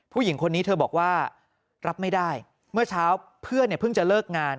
ผู้หญิงคนนี้เธอบอกว่ารับไม่ได้เมื่อเช้าเพื่อนเนี่ยเพิ่งจะเลิกงาน